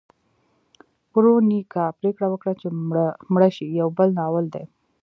ورونیکا پریکړه وکړه چې مړه شي یو بل ناول دی.